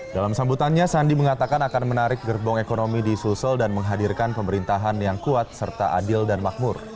dalam sambutannya sandi mengatakan akan menarik gerbong ekonomi di sulsel dan menghadirkan pemerintahan yang kuat serta adil dan makmur